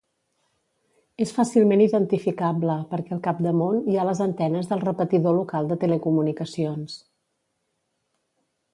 És fàcilment identificable perquè al capdamunt hi ha les antenes del repetidor local de telecomunicacions.